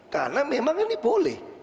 karena memang ini boleh